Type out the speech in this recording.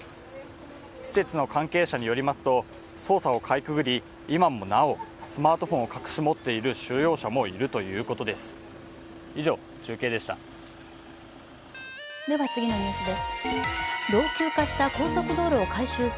施設の関係者によりますと、捜査をかいくぐり今もなおスマートフォンを隠し持っている収容者もいるということです。